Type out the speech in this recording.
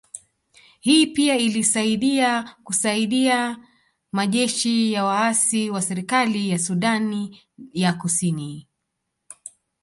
Hii pia ilisaidia kusaidia majeshi ya waasi wa serikali ya Sudani ya Kusini